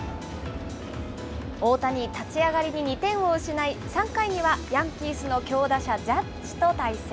大谷、立ち上がりに２点を失い、３回にはヤンキースの強打者、ジャッジと対戦。